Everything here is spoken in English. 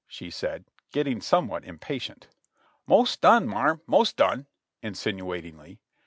she said, getting somewhat impatient. "Mos' done, marm, mos' done,'' insinuatingly.